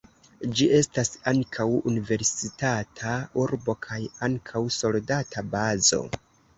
Ĝi estas ankaŭ universitata urbo kaj ankaŭ soldata bazo.